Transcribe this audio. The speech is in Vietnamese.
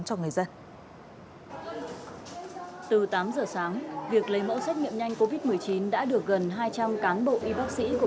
từ tám giờ sáng việc lấy mẫu xét nghiệm nhanh covid một mươi chín đã được gần hai trăm linh cán bộ y bác sĩ của